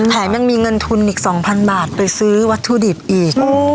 แถมยังมีเงินทุนอีก๒๐๐๐บาทไปซื้อวัตถุดิบอีก